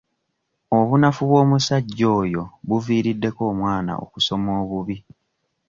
Obunafu bw'omusajja oyo buviiriddeko omwana okusoma obubi.